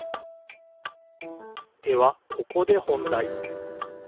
ではここで本だい。